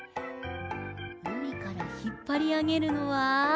うみからひっぱりあげるのは。